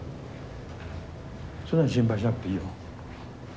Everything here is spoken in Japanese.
そんなに心配しなくていいよ。